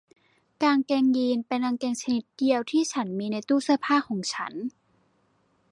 กางเกงยีนส์เป็นกางเกงชนิดเดียวที่ฉันมีในตู้เสื้อผ้าของฉัน